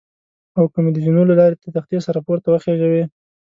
او که مې د زینو له لارې د تختې سره پورته وخېژوي.